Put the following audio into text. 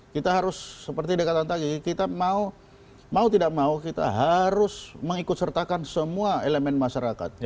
kita harus seperti dikatakan tadi kita mau tidak mau kita harus mengikut sertakan semua elemen masyarakat